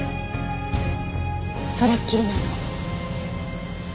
それっきりなの。